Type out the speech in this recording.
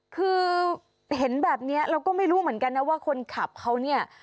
คือเห็นแบบนี้เราก็ไม่รู้เหมือนกันนะว่าคนขับเขาเนี่ย